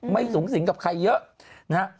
ไม่สูงสิงกับใครเยอะนะฮะ